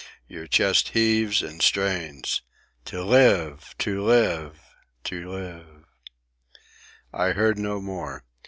Your chest heaves and strains. To live! To live! To live—" I heard no more.